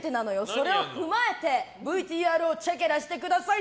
それを踏まえてＶＴＲをチェケラしてください！